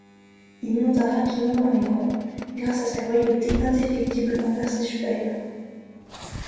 Il monta rapidement dans les rangs, grâce à sa loyauté indéfectible envers ses supérieurs.